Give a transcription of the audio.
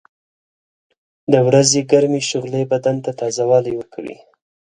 • د ورځې ګرمې شغلې بدن ته تازهوالی ورکوي.